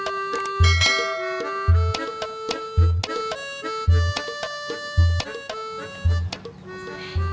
ya kamu juga mogol ma rebels